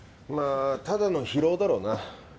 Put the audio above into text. まあただの疲労だろうな。